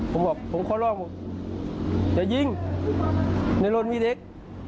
ผมบอกผมขอลอกหมดอย่ายิงในรถมีเด็ก